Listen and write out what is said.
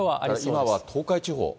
今は東海地方。